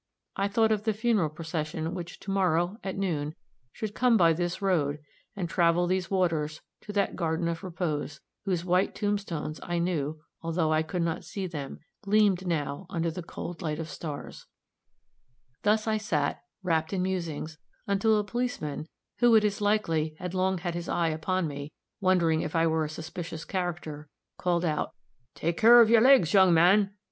I thought of the funeral procession which to morrow, at noon, should come by this road and travel these waters, to that garden of repose, whose white tombstones I knew, although I could not see them, gleamed now under the "cold light of stars." [Illustration: BAFFLED. Page 64.] Thus I sat, wrapped in musings, until a policeman, who, it is likely, had long had his eye upon me, wondering if I were a suspicious character, called out "Take care of your legs, young man!"